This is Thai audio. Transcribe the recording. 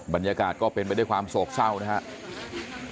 บรรยากาศก็เป็นไปด้วยความโศกเศร้านะครับ